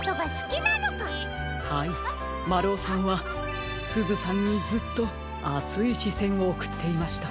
はいまるおさんはすずさんにずっとあついしせんをおくっていました。